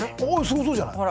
すごそうじゃない。